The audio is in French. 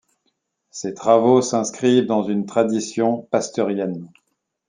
Ses travaux s’inscrivent dans une tradition pasteurienne.